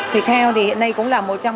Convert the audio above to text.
thịt heo thì hiện nay cũng là mối quan trọng